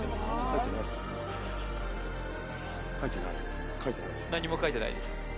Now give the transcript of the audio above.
書いて何も書いてないです